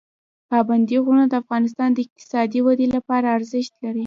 پابندي غرونه د افغانستان د اقتصادي ودې لپاره ارزښت لري.